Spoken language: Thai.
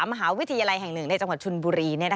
มหาวิทยาลัยแห่งหนึ่งในจังหวัดชนบุรี